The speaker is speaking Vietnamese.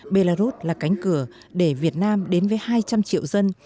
belarus là cánh cửa để việt nam đến với hai trăm linh triệu dân